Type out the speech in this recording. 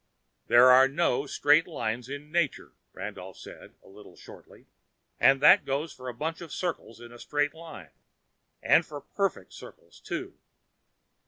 "There are no straight lines in nature," Randolph said, a little shortly. "That goes for a bunch of circles in a straight line. And for perfect circles, too."